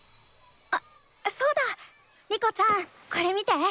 あそうだ。リコちゃんこれ見て。